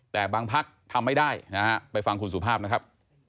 แต่บางพักทำไม่ได้นะฮะไปฟังคุณสุภาพนะครับ